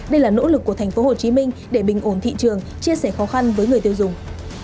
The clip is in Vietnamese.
đây là nỗ lực của tp hcm để bình ổn thị trường chia sẻ khó khăn với người tiêu dùng